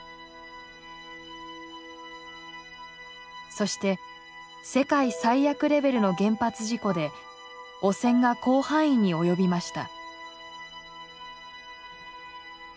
そして世界最悪レベルの原発事故で汚染が広範囲に及びました。